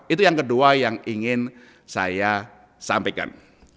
itu yang kedua yang ingin saya sampaikan